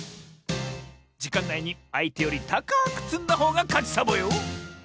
じかんないにあいてよりたかくつんだほうがかちサボよ！